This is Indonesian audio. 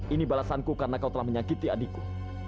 ini balasanku karena kau telah menyakiti adikku